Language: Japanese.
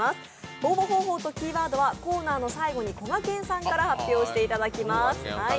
応募方法とキーワードはコーナーの最後にこがけんさんから発表していただきます。